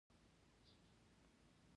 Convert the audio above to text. هغه له غوږونو پرته د اورېدو وړتيا پيدا کړي.